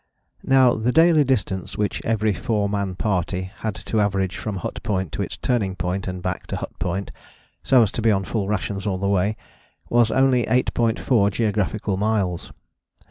Now the daily distance which every 4 man party had to average from Hut Point to its turning point and back to Hut Point, so as to be on full rations all the way, was only 8.4 geographical miles.